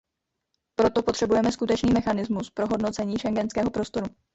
Proto potřebujeme skutečný mechanismus pro hodnocení schengenského prostoru.